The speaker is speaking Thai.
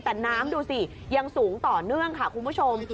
แต่น้ำดูสิยังสูงต่อเนื่องค่ะคุณผู้ชม